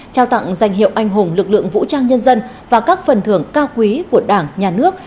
trao tặng danh hiệu anh hùng lực lượng vũ trang nhân dân và các phần thưởng cao quý của đảng nhà nước